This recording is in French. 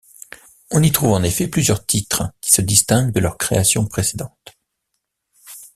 On y trouve en effet plusieurs titres qui se distinguent de leurs créations précédentes.